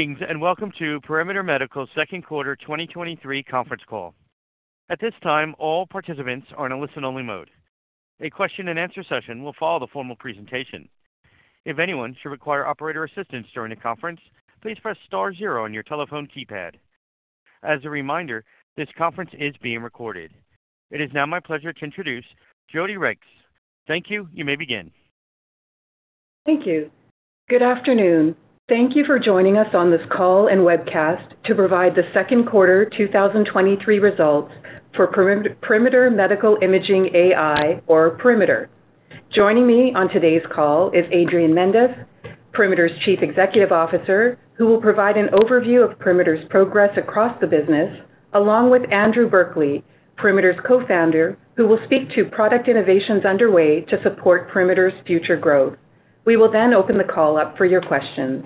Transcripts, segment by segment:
Greetings, and welcome to Perimeter Medical's second quarter 2023 conference call. At this time, all participants are in a listen-only mode. A question and answer session will follow the formal presentation. If anyone should require operator assistance during the conference, please press star zero on your telephone keypad. As a reminder, this conference is being recorded. It is now my pleasure to introduce Jodi Regts. Thank you. You may begin. Thank you. Good afternoon. Thank you for joining us on this call and webcast to provide the second quarter 2023 results for Perimeter Medical Imaging AI or Perimeter. Joining me on today's call is Adrian Mendes, Perimeter's Chief Executive Officer, who will provide an overview of Perimeter's progress across the business, along with Andrew Berkeley, Perimeter's Co-Founder, who will speak to product innovations underway to support Perimeter's future growth. We will then open the call up for your questions.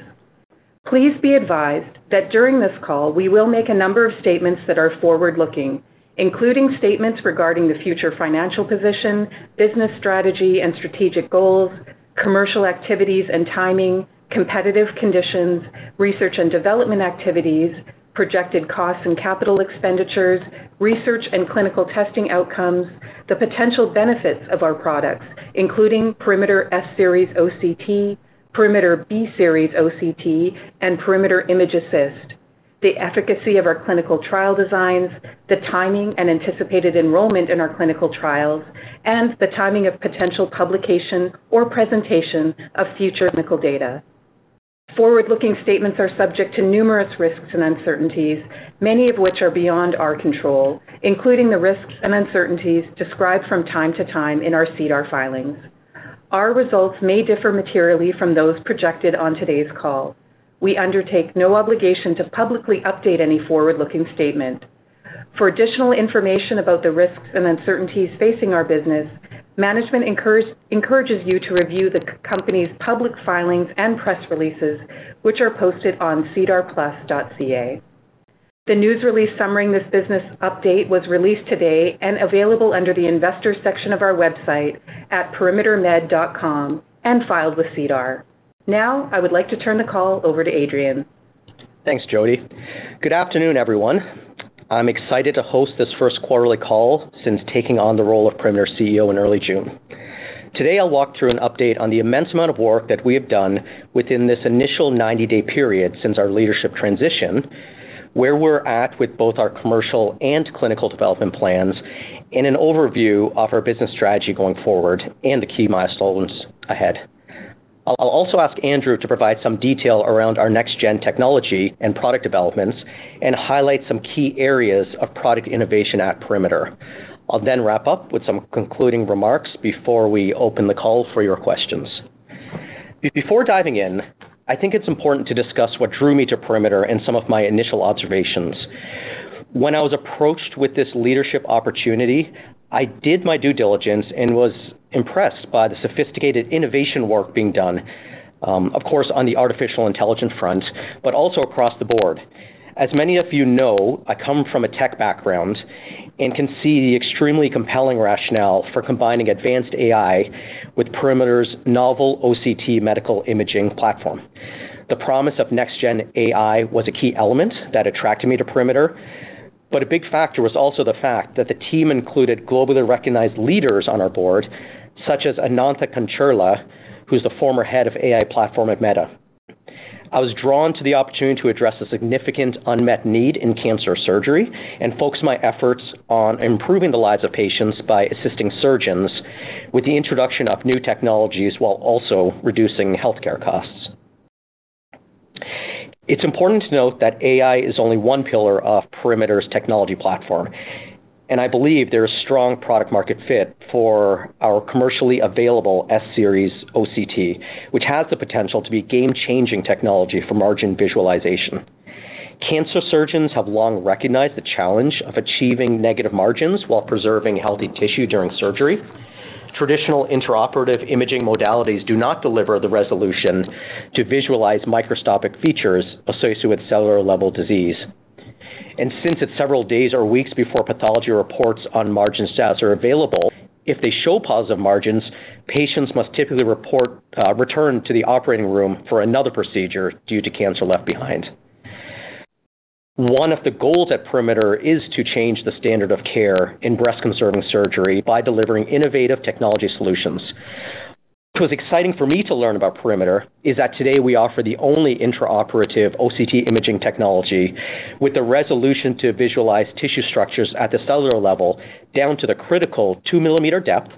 Please be advised that during this call, we will make a number of statements that are forward-looking, including statements regarding the future financial position, business strategy and strategic goals, commercial activities and timing, competitive conditions, research and development activities, projected costs and capital expenditures, research and clinical testing outcomes, the potential benefits of our products, including Perimeter S-Series OCT, Perimeter B-Series OCT, and Perimeter ImgAssist, the efficacy of our clinical trial designs, the timing and anticipated enrollment in our clinical trials, and the timing of potential publication or presentation of future clinical data. Forward-looking statements are subject to numerous risks and uncertainties, many of which are beyond our control, including the risks and uncertainties described from time to time in our SEDAR filings. Our results may differ materially from those projected on today's call. We undertake no obligation to publicly update any forward-looking statement. For additional information about the risks and uncertainties facing our business, management encourages you to review the company's public filings and press releases, which are posted on sedarplus.ca. The news release summarizing this business update was released today and available under the investors section of our website at perimetermed.com and filed with SEDAR. Now, I would like to turn the call over to Adrian. Thanks, Jodi. Good afternoon, everyone. I'm excited to host this first quarterly call since taking on the role of Perimeter CEO in early June. Today, I'll walk through an update on the immense amount of work that we have done within this initial 90-day period since our leadership transition, where we're at with both our commercial and clinical development plans, and an overview of our business strategy going forward and the key milestones ahead. I'll, I'll also ask Andrew to provide some detail around our next gen technology and product developments and highlight some key areas of product innovation at Perimeter. I'll then wrap up with some concluding remarks before we open the call for your questions. Before diving in, I think it's important to discuss what drew me to Perimeter and some of my initial observations. When I was approached with this leadership opportunity, I did my due diligence and was impressed by the sophisticated innovation work being done, of course, on the artificial intelligence front, but also across the board. As many of you know, I come from a tech background and can see the extremely compelling rationale for combining advanced AI with Perimeter's novel OCT medical imaging platform. The promise of next gen AI was a key element that attracted me to Perimeter, but a big factor was also the fact that the team included globally recognized leaders on our board, such as Anantha Kancherla, who's the former head of AI platform at Meta. I was drawn to the opportunity to address a significant unmet need in cancer surgery and focus my efforts on improving the lives of patients by assisting surgeons with the introduction of new technologies while also reducing healthcare costs. It's important to note that AI is only one pillar of Perimeter's technology platform, and I believe there is strong product market fit for our commercially available S-Series OCT, which has the potential to be a game-changing technology for margin visualization. Cancer surgeons have long recognized the challenge of achieving negative margins while preserving healthy tissue during surgery. Traditional intraoperative imaging modalities do not deliver the resolution to visualize microscopic features associated with cellular-level disease. Since it's several days or weeks before pathology reports on margin status are available, if they show positive margins, patients must typically return to the operating room for another procedure due to cancer left behind. One of the goals at Perimeter is to change the standard of care in breast conserving surgery by delivering innovative technology solutions. What was exciting for me to learn about Perimeter is that today we offer the only intraoperative OCT imaging technology with the resolution to visualize tissue structures at the cellular level, down to the critical 2-millimeter depth,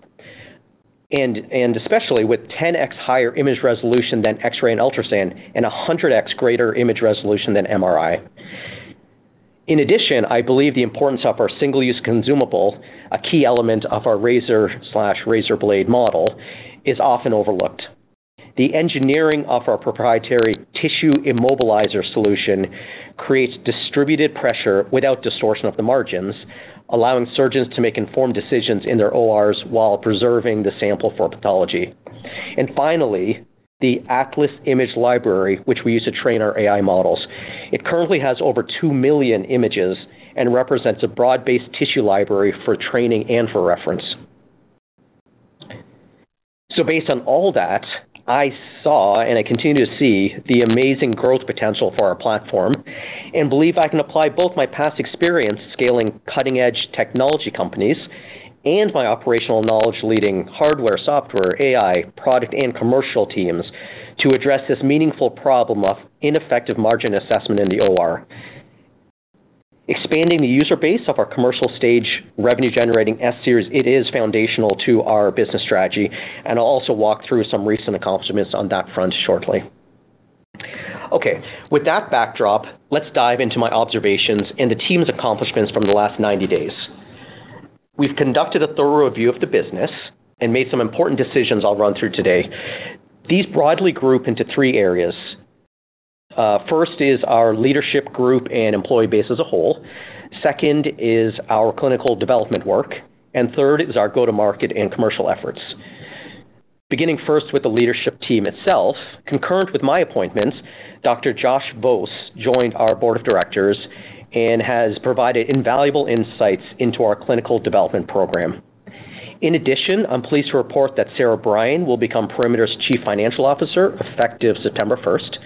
and especially with 10x higher image resolution than X-ray and ultrasound, and 100x greater image resolution than MRI. In addition, I believe the importance of our single-use consumable, a key element of our razor/razor blade model, is often overlooked. The engineering of our proprietary tissue immobilizer solution creates distributed pressure without distortion of the margins, allowing surgeons to make informed decisions in their ORs while preserving the sample for pathology. And finally, the Atlas image library, which we use to train our AI models. It currently has over 2 million images and represents a broad-based tissue library for training and for reference.... So based on all that, I saw, and I continue to see, the amazing growth potential for our platform and believe I can apply both my past experience scaling cutting-edge technology companies and my operational knowledge leading hardware, software, AI, product, and commercial teams to address this meaningful problem of ineffective margin assessment in the OR. Expanding the user base of our commercial stage, revenue-generating S-series, it is foundational to our business strategy, and I'll also walk through some recent accomplishments on that front shortly. Okay, with that backdrop, let's dive into my observations and the team's accomplishments from the last 90 days. We've conducted a thorough review of the business and made some important decisions I'll run through today. These broadly group into three areas. First is our leadership group and employee base as a whole. Second is our clinical development work, and third is our go-to-market and commercial efforts. Beginning first with the leadership team itself, concurrent with my appointment, Dr. Josh Vose joined our board of directors and has provided invaluable insights into our clinical development program. In addition, I'm pleased to report that Sara Brien will become Perimeter's Chief Financial Officer, effective September first.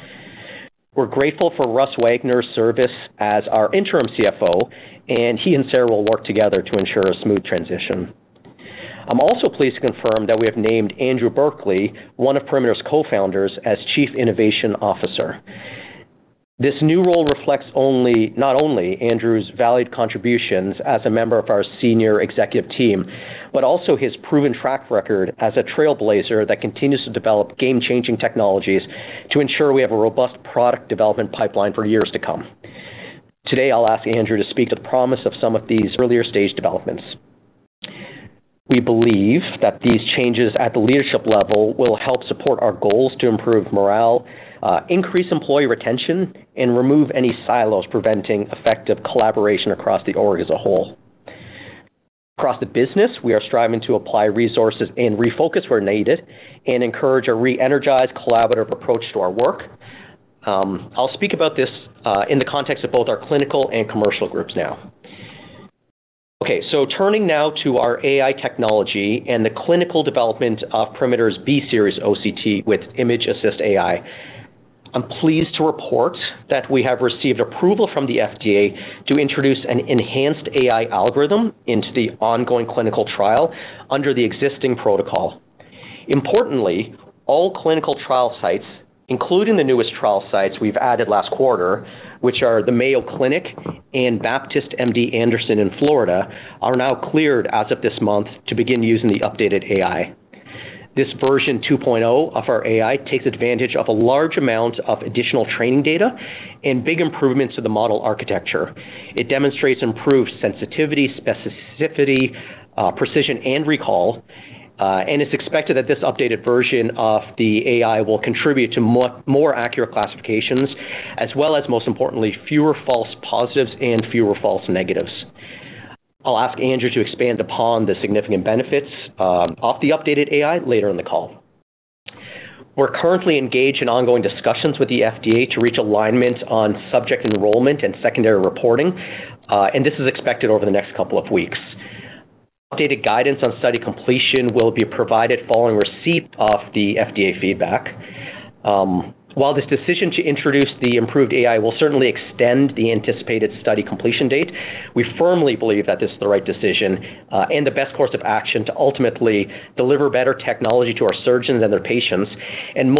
We're grateful for Russ Wagner's service as our interim CFO, and he and Sara will work together to ensure a smooth transition. I'm also pleased to confirm that we have named Andrew Berkeley, one of Perimeter's cofounders, as Chief Innovation Officer. This new role reflects not only Andrew's valued contributions as a member of our senior executive team, but also his proven track record as a trailblazer that continues to develop game-changing technologies to ensure we have a robust product development pipeline for years to come. Today, I'll ask Andrew to speak to the promise of some of these earlier-stage developments. We believe that these changes at the leadership level will help support our goals to improve morale, increase employee retention, and remove any silos preventing effective collaboration across the org as a whole. Across the business, we are striving to apply resources and refocus where needed and encourage a re-energized, collaborative approach to our work. I'll speak about this in the context of both our clinical and commercial groups now. Okay, so turning now to our AI technology and the clinical development of Perimeter's B-Series OCT with ImgAssist AI, I'm pleased to report that we have received approval from the FDA to introduce an enhanced AI algorithm into the ongoing clinical trial under the existing protocol. Importantly, all clinical trial sites, including the newest trial sites we've added last quarter, which are the Mayo Clinic and Baptist MD Anderson in Florida, are now cleared as of this month to begin using the updated AI. This version 2.0 of our AI takes advantage of a large amount of additional training data and big improvements to the model architecture. It demonstrates improved sensitivity, specificity, precision, and recall, and it's expected that this updated version of the AI will contribute to more accurate classifications, as well as, most importantly, fewer false positives and fewer false negatives. I'll ask Andrew to expand upon the significant benefits of the updated AI later in the call. We're currently engaged in ongoing discussions with the FDA to reach alignment on subject enrollment and secondary reporting, and this is expected over the next couple of weeks. Updated guidance on study completion will be provided following receipt of the FDA feedback. While this decision to introduce the improved AI will certainly extend the anticipated study completion date, we firmly believe that this is the right decision, and the best course of action to ultimately deliver better technology to our surgeons and their patients.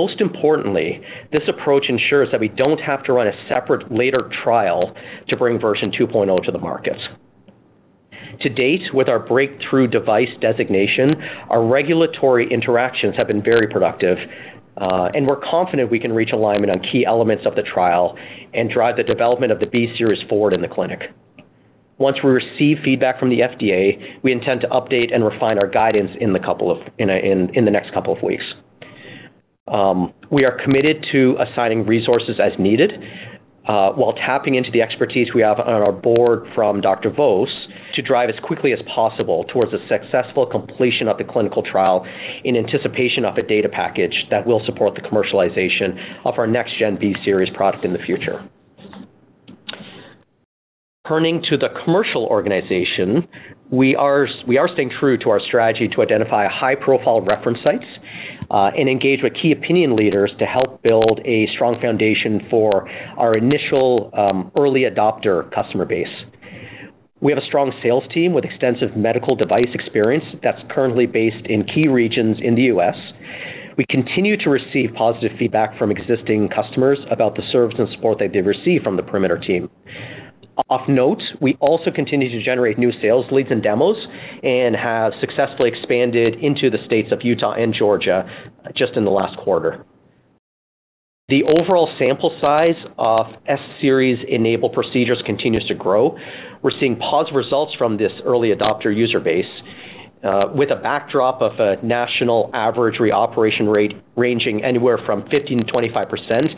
Most importantly, this approach ensures that we don't have to run a separate later trial to bring version 2.0 to the market. To date, with our breakthrough device designation, our regulatory interactions have been very productive, and we're confident we can reach alignment on key elements of the trial and drive the development of the B-Series forward in the clinic. Once we receive feedback from the FDA, we intend to update and refine our guidance in the next couple of weeks. We are committed to assigning resources as needed, while tapping into the expertise we have on our board from Dr. Vose to drive as quickly as possible towards a successful completion of the clinical trial in anticipation of a data package that will support the commercialization of our next-gen B-Series product in the future. Turning to the commercial organization, we are staying true to our strategy to identify high-profile reference sites, and engage with key opinion leaders to help build a strong foundation for our initial early adopter customer base. We have a strong sales team with extensive medical device experience that's currently based in key regions in the U.S. We continue to receive positive feedback from existing customers about the service and support that they've received from the Perimeter team. Of note, we also continue to generate new sales leads and demos and have successfully expanded into the states of Utah and Georgia just in the last quarter. The overall sample size of S-Series enabled procedures continues to grow. We're seeing positive results from this early adopter user base, with a backdrop of a national average reoperation rate ranging anywhere from 15%-25%.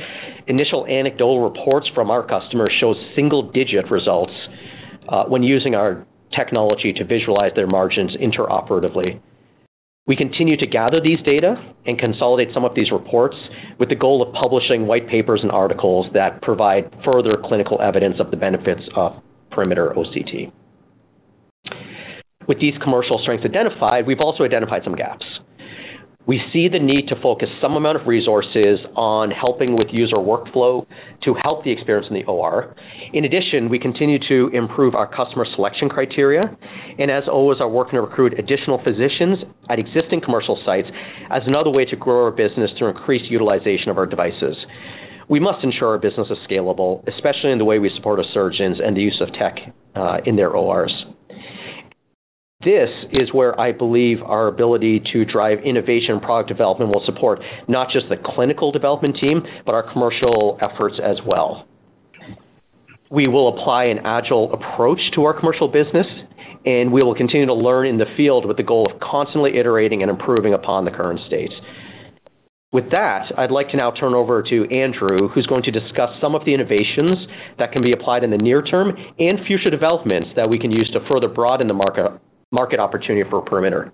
Initial anecdotal reports from our customers show single-digit results, when using our technology to visualize their margins intraoperatively. We continue to gather these data and consolidate some of these reports with the goal of publishing white papers and articles that provide further clinical evidence of the benefits of Perimeter OCT. With these commercial strengths identified, we've also identified some gaps. We see the need to focus some amount of resources on helping with user workflow to help the experience in the OR. In addition, we continue to improve our customer selection criteria, and as always, are working to recruit additional physicians at existing commercial sites as another way to grow our business to increase utilization of our devices. We must ensure our business is scalable, especially in the way we support our surgeons and the use of tech in their ORs. This is where I believe our ability to drive innovation and product development will support not just the clinical development team, but our commercial efforts as well. We will apply an agile approach to our commercial business, and we will continue to learn in the field with the goal of constantly iterating and improving upon the current state. With that, I'd like to now turn over to Andrew, who's going to discuss some of the innovations that can be applied in the near term and future developments that we can use to further broaden the market, market opportunity for Perimeter.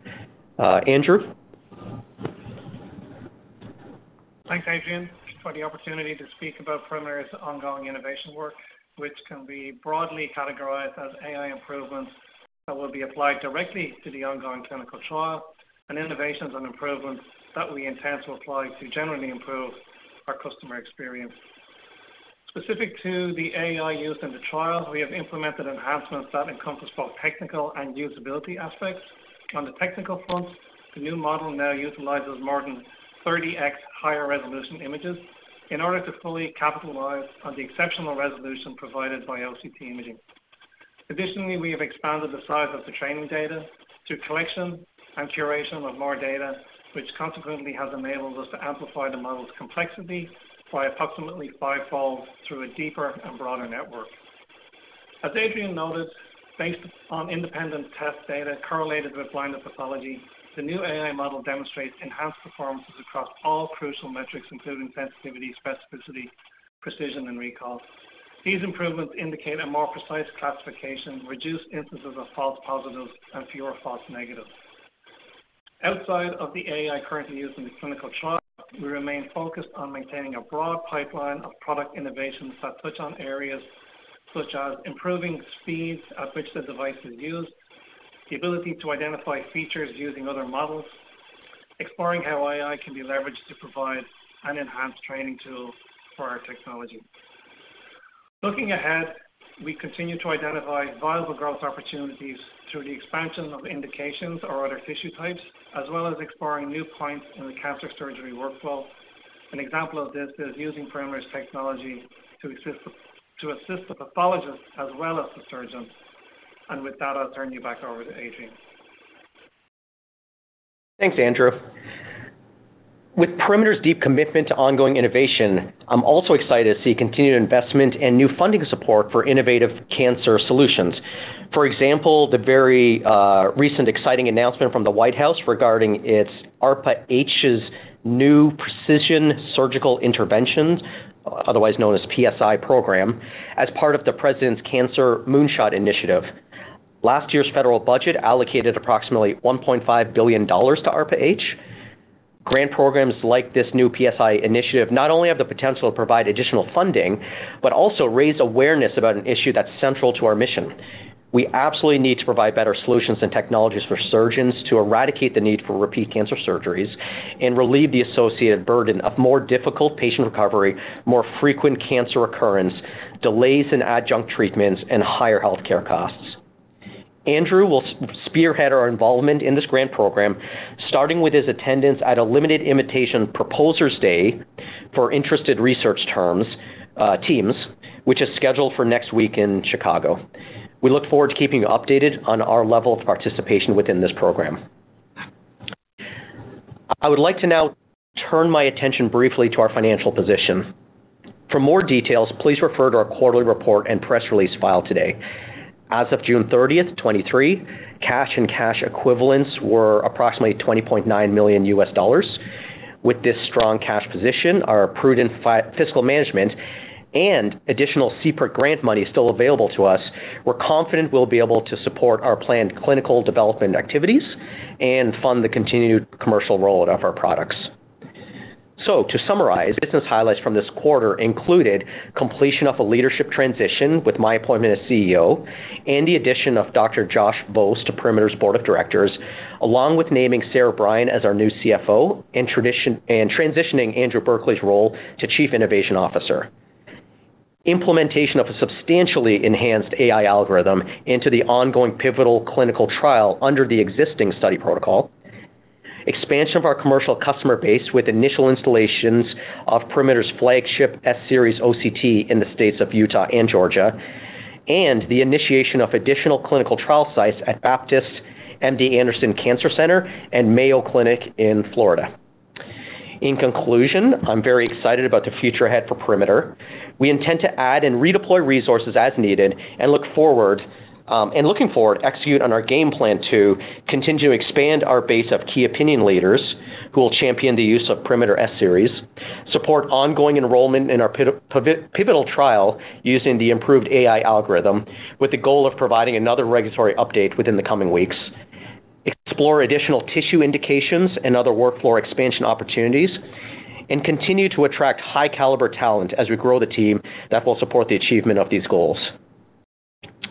Andrew? Thanks, Adrian, for the opportunity to speak about Perimeter's ongoing innovation work, which can be broadly categorized as AI improvements that will be applied directly to the ongoing clinical trial, and innovations and improvements that we intend to apply to generally improve our customer experience. Specific to the AI used in the trial, we have implemented enhancements that encompass both technical and usability aspects. On the technical front, the new model now utilizes more than 30x higher resolution images in order to fully capitalize on the exceptional resolution provided by OCT imaging. Additionally, we have expanded the size of the training data through collection and curation of more data, which consequently has enabled us to amplify the model's complexity by approximately fivefold through a deeper and broader network. As Adrian noted, based on independent test data correlated with blinded pathology, the new AI model demonstrates enhanced performance across all crucial metrics, including sensitivity, specificity, precision, and recall. These improvements indicate a more precise classification, reduced instances of false positives, and fewer false negatives. Outside of the AI currently used in the clinical trial, we remain focused on maintaining a broad pipeline of product innovations that touch on areas such as improving speeds at which the device is used, the ability to identify features using other models, exploring how AI can be leveraged to provide an enhanced training tool for our technology. Looking ahead, we continue to identify viable growth opportunities through the expansion of indications or other tissue types, as well as exploring new points in the cancer surgery workflow. An example of this is using Perimeter's technology to assist the pathologist as well as the surgeon. With that, I'll turn you back over to Adrian. Thanks, Andrew. With Perimeter's deep commitment to ongoing innovation, I'm also excited to see continued investment and new funding support for innovative cancer solutions. For example, the very, recent exciting announcement from the White House regarding its ARPA-H's new Precision Surgical Interventions, otherwise known as PSI program, as part of the President's Cancer Moonshot initiative. Last year's federal budget allocated approximately $1.5 billion to ARPA-H. Grant programs like this new PSI initiative not only have the potential to provide additional funding, but also raise awareness about an issue that's central to our mission. We absolutely need to provide better solutions and technologies for surgeons to eradicate the need for repeat cancer surgeries and relieve the associated burden of more difficult patient recovery, more frequent cancer recurrence, delays in adjunct treatments, and higher healthcare costs. Andrew will spearhead our involvement in this grant program, starting with his attendance at a limited invitation proposers day for interested research teams, which is scheduled for next week in Chicago. We look forward to keeping you updated on our level of participation within this program. I would like to now turn my attention briefly to our financial position. For more details, please refer to our quarterly report and press release filed today. As of June 30, 2023, cash and cash equivalents were approximately $20.9 million. With this strong cash position, our prudent fiscal management and additional CPRIT grant money still available to us, we're confident we'll be able to support our planned clinical development activities and fund the continued commercial rollout of our products. So to summarize, business highlights from this quarter included completion of a leadership transition with my appointment as CEO and the addition of Dr. Josh Vose to Perimeter's board of directors, along with naming Sara Brien as our new CFO and transitioning Andrew Berkeley's role to Chief Innovation Officer. Implementation of a substantially enhanced AI algorithm into the ongoing pivotal clinical trial under the existing study protocol. Expansion of our commercial customer base, with initial installations of Perimeter's flagship S-Series OCT in the states of Utah and Georgia, and the initiation of additional clinical trial sites at Baptist MD Anderson Cancer Center and Mayo Clinic in Florida. In conclusion, I'm very excited about the future ahead for Perimeter. We intend to add and redeploy resources as needed and looking forward, execute on our game plan to continue to expand our base of key opinion leaders who will champion the use of Perimeter S-Series, support ongoing enrollment in our pivotal trial using the improved AI algorithm, with the goal of providing another regulatory update within the coming weeks, explore additional tissue indications and other workflow expansion opportunities, and continue to attract high caliber talent as we grow the team that will support the achievement of these goals.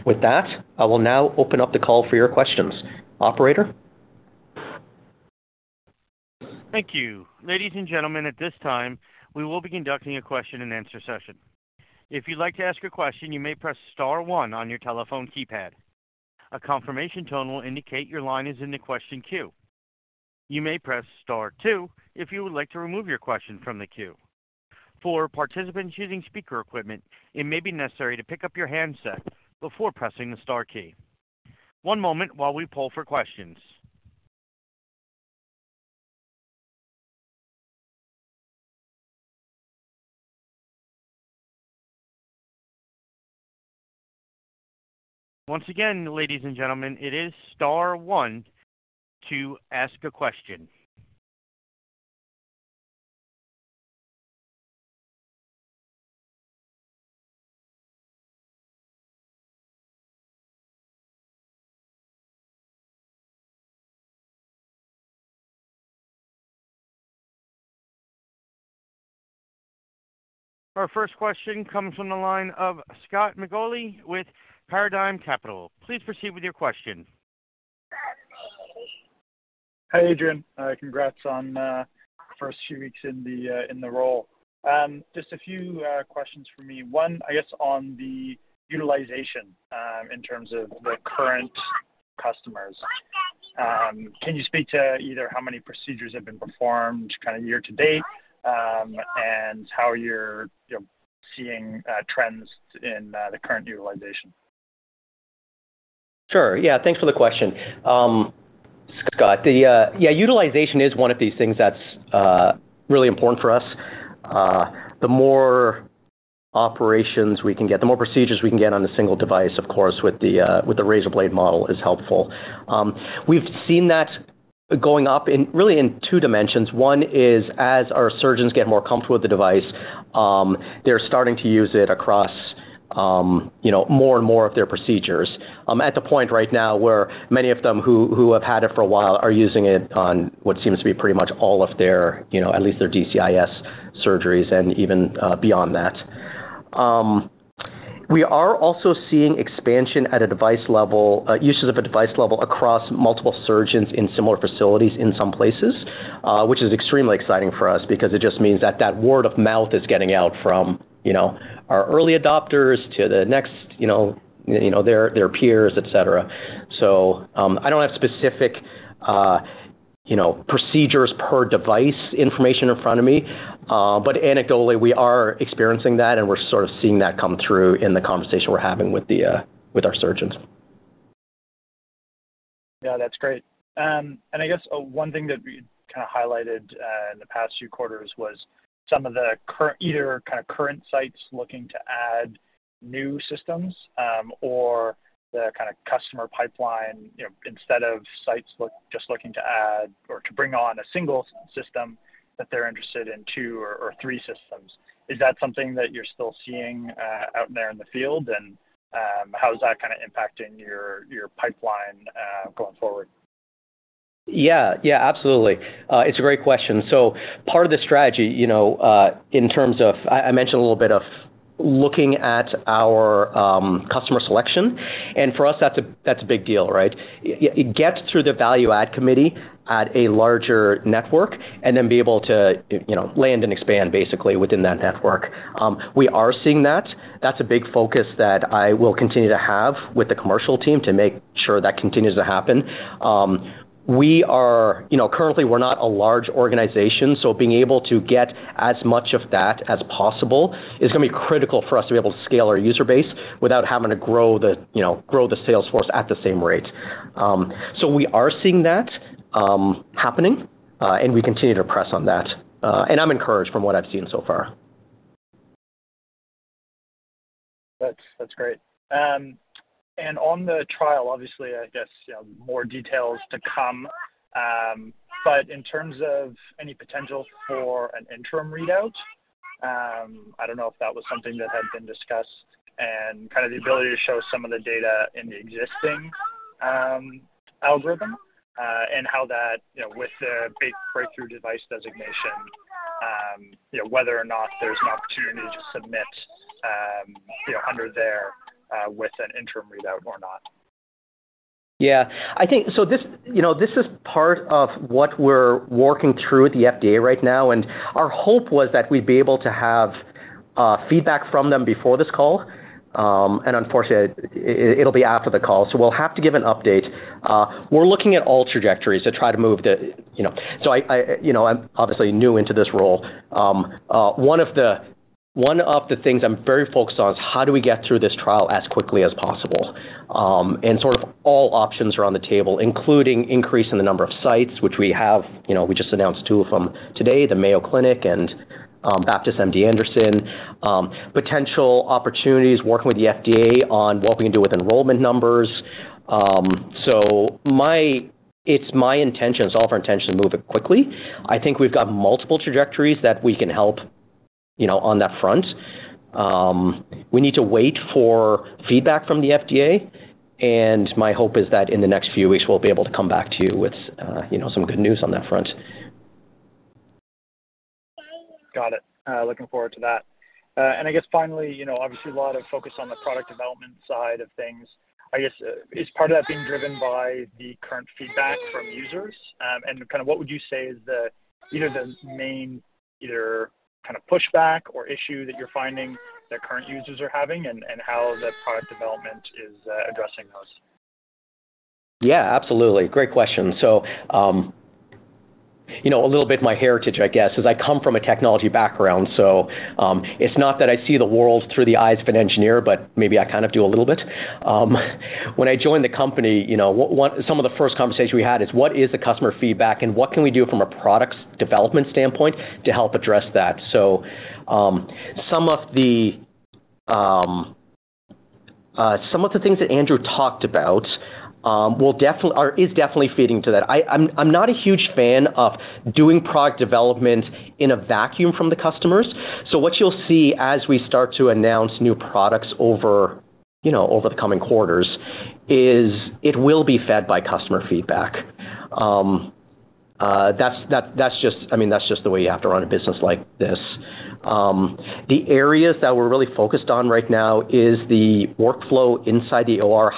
With that, I will now open up the call for your questions. Operator? Thank you. Ladies and gentlemen, at this time, we will be conducting a question and answer session. If you'd like to ask a question, you may press star one on your telephone keypad. A confirmation tone will indicate your line is in the question queue. You may press star two if you would like to remove your question from the queue. For participants using speaker equipment, it may be necessary to pick up your handset before pressing the star key. One moment while we pull for questions. Once again, ladies and gentlemen, it is star one to ask a question. Our first question comes from the line of Scott McAuley with Paradigm Capital. Please proceed with your question. Hi, Adrian. Congrats on first few weeks in the role. Just a few questions for me. One, I guess on the utilization in terms of the current customers. Can you speak to either how many procedures have been performed kind of year to date, and how you're, you know, seeing trends in the current utilization? Sure. Yeah, thanks for the question. Scott, yeah, utilization is one of these things that's really important for us. The more operations we can get, the more procedures we can get on a single device, of course, with the razor blade model is helpful. We've seen that going up in really two dimensions. One is as our surgeons get more comfortable with the device, they're starting to use it across, you know, more and more of their procedures. At the point right now where many of them who have had it for a while are using it on what seems to be pretty much all of their, you know, at least their DCIS surgeries and even beyond that. We are also seeing expansion at a device level, uses of a device level across multiple surgeons in similar facilities in some places, which is extremely exciting for us because it just means that that word of mouth is getting out from, you know, our early adopters to the next, you know, their peers, et cetera. So, I don't have specific, you know, procedures per device information in front of me, but anecdotally, we are experiencing that, and we're sort of seeing that come through in the conversation we're having with the, with our surgeons. Yeah, that's great. And I guess one thing that we kind of highlighted in the past few quarters was some of the current either kind of current sites looking to add new systems, or the kind of customer pipeline, you know, instead of sites just looking to add or to bring on a single system that they're interested in two or three systems. Is that something that you're still seeing out there in the field? And how is that kinda impacting your pipeline going forward? Yeah, yeah, absolutely. It's a great question. So part of the strategy, you know, in terms of—I mentioned a little bit of looking at our customer selection, and for us, that's a big deal, right? It gets through the value add committee at a larger network and then be able to, you know, land and expand basically within that network. We are seeing that. That's a big focus that I will continue to have with the commercial team to make sure that continues to happen. We are, you know, currently we're not a large organization, so being able to get as much of that as possible is gonna be critical for us to be able to scale our user base without having to grow the sales force at the same rate. So we are seeing that happening, and we continue to press on that. And I'm encouraged from what I've seen so far. That's, that's great. And on the trial, obviously, I guess, you know, more details to come, but in terms of any potential for an interim readout, I don't know if that was something that had been discussed and kind of the ability to show some of the data in the existing algorithm, and how that, you know, with the big breakthrough device designation, you know, whether or not there's an opportunity to submit, you know, under there, with an interim readout or not? Yeah, I think so this, you know, this is part of what we're working through with the FDA right now, and our hope was that we'd be able to have feedback from them before this call. And unfortunately, it'll be after the call, so we'll have to give an update. We're looking at all trajectories to try to move the, you know. So I, you know, I'm obviously new into this role. One of the things I'm very focused on is how do we get through this trial as quickly as possible? And sort of all options are on the table, including increase in the number of sites, which we have. You know, we just announced two of them today, the Mayo Clinic and Baptist MD Anderson. Potential opportunities, working with the FDA on what we can do with enrollment numbers. So it's my intention, it's all of our intention to move it quickly. I think we've got multiple trajectories that we can you know, on that front. We need to wait for feedback from the FDA, and my hope is that in the next few weeks, we'll be able to come back to you with you know, some good news on that front. Got it. Looking forward to that. I guess finally, you know, obviously a lot of focus on the product development side of things. I guess, is part of that being driven by the current feedback from users? And kind of what would you say is the, you know, the main either kind of pushback or issue that you're finding that current users are having, and how the product development is addressing those? Yeah, absolutely. Great question. So, you know, a little bit my heritage, I guess, is I come from a technology background. So, it's not that I see the world through the eyes of an engineer, but maybe I kind of do a little bit. When I joined the company, you know, some of the first conversations we had is what is the customer feedback and what can we do from a product development standpoint to help address that? So, some of the things that Andrew talked about will definitely... or is definitely feeding to that. I'm not a huge fan of doing product development in a vacuum from the customers. So what you'll see as we start to announce new products over, you know, over the coming quarters, is it will be fed by customer feedback. That's just—I mean, that's just the way you have to run a business like this. The areas that we're really focused on right now is the workflow inside the OR.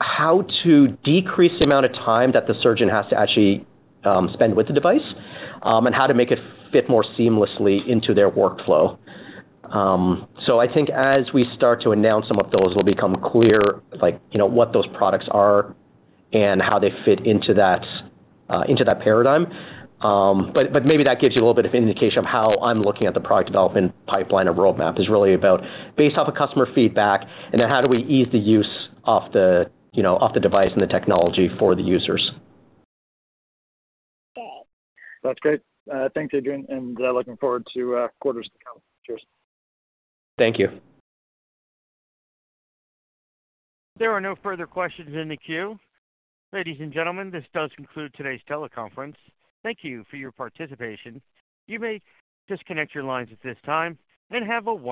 How to decrease the amount of time that the surgeon has to actually spend with the device, and how to make it fit more seamlessly into their workflow. So I think as we start to announce, some of those will become clear, like, you know, what those products are and how they fit into that paradigm. But maybe that gives you a little bit of indication of how I'm looking at the product development pipeline or roadmap. Is really about, based off of customer feedback, and then how do we ease the use of the, you know, of the device and the technology for the users. That's great. Thank you, Adrian, and looking forward to quarters to come. Cheers. Thank you. There are no further questions in the queue. Ladies and gentlemen, this does conclude today's teleconference. Thank you for your participation. You may disconnect your lines at this time and have a wonderful-